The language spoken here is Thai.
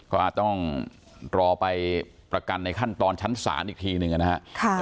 ก็อาจต้องรอไปประกันในขั้นตอนชั้นศาลอีกทีหนึ่งนะครับ